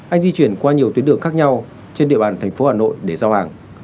anh di chuyển qua nhiều tuyến đường khác nhau trên địa bàn thành phố hà nội để giao hàng